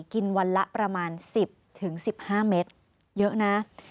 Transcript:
กินวันละประมาณ๑๐๑๕เมตรเยอะนะ